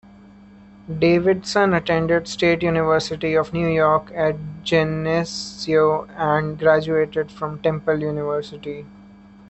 Davidson attended State University of New York at Geneseo and graduated from Temple University.